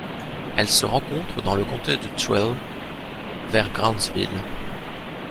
Elle se rencontre dans le comté de Tooele vers Grantsville.